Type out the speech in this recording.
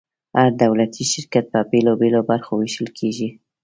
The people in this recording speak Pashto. هر دولتي شرکت په بیلو بیلو برخو ویشل کیږي.